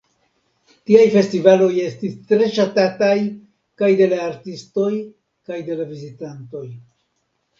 Tiaj festivaloj estis tre ŝatataj kaj de la artistoj kaj de la vizitantoj.